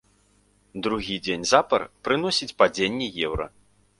Другі дзень запар прыносіць падзенне еўра.